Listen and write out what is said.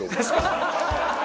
ハハハハ！